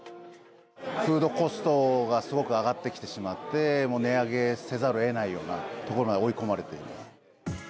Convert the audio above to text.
フードコストがすごく上がってきてしまって、値上げせざるをえないようなところまで追い込まれている。